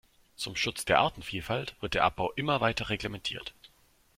Zum Schutz der Artenvielfalt wird der Abbau immer weiter reglementiert.